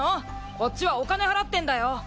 こっちはお金払ってんだよ！？